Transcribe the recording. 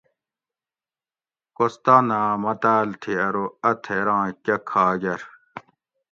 کوستاناۤ متاۤل تھی ارو اۤ تھیراں کہۤ کھاگر